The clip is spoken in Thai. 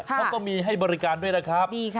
เขาก็มีให้บริการด้วยนะครับ